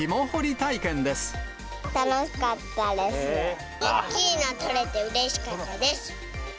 大きいの取れてうれしかったです。